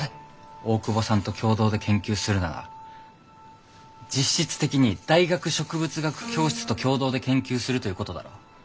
大窪さんと共同で研究するなら実質的に大学植物学教室と共同で研究するということだろう？